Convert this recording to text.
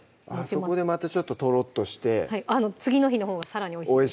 そこでまたちょっとトロッとしてはい次の日のほうがさらにおいしいです